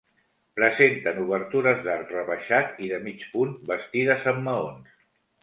Presenten obertures d'arc rebaixat i de mig punt, bastides amb maons.